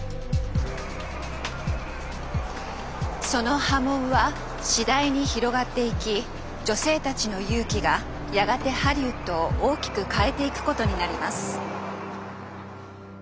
その波紋は次第に広がっていき女性たちの勇気がやがてハリウッドを大きく変えていくことになります。